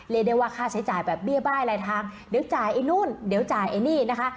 เรียกได้ว่าค่าใช้จ่ายแบบเบี้ยบ้ายลายทางเดี๋ยวจ่ายไอ้นู่นเดี๋ยวจ่ายไอ้นี่นะคะ